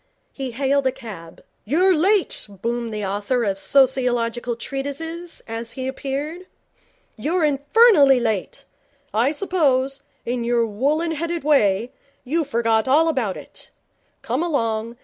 He hailed a cab. 'You're late,' boomed the author of sociological treatises, as he appeared. 'You're infernally late. I suppose, in your woollen headed way, you forgot all about it. Come along.